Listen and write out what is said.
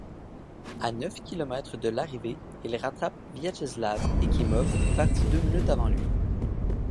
À neuf kilomètres de l'arrivée, il rattrape Viatcheslav Ekimov, parti deux minutes avant lui.